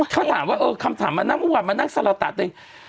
คำถามว่ามันมานั่งอ๊วกมานั่งสรตัสอีก